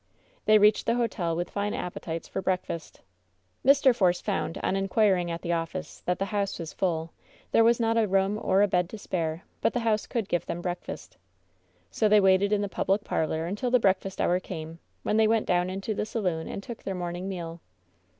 They reached the hotel with fine appetites for break fast. liir. Force found, on inquiring at the office, that the house was full; there was not a room or a bed to spare; but the house could give them breakfast. So they waited in the public parlor until the breakfast hour came, when they went down into the saloon and took their morning meal.